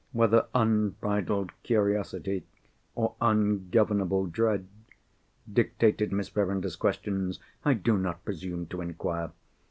Whether unbridled curiosity, or ungovernable dread, dictated Miss Verinder's questions I do not presume to inquire.